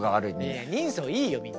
いや人相いいよみんな。